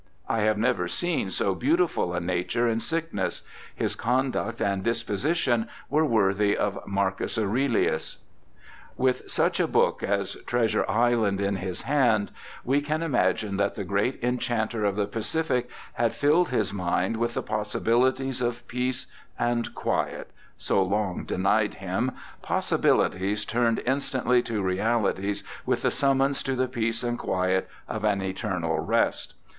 I have never seen so beautiful a nature in sickness ; his conduct and disposition were worthy of Marcus Aurelius.' With such a book as Treasure Island in his hand, we can imagine that the great Enchanter of the Pacific had filled his mind with the possibilities of peace and quiet (so long denied him)— possibilities turned instantly to realities with the summons to the peace and quiet of an eternal rest.